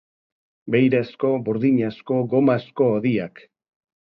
Beirazko, burdinazko, gomazko hodiak.